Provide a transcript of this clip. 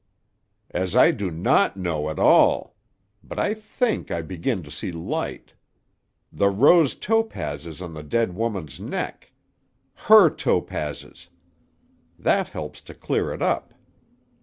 "As I do not know, at all. But I think I begin to see light. The rose topazes on the dead woman's neck. Her topazes. That helps to clear it up.